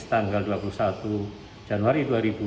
tanggal dua puluh satu januari dua ribu dua puluh